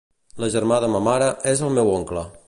El germà de ma mare és el meu oncle.